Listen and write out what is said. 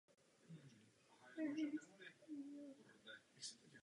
Rozvodí je vedeno dohodou.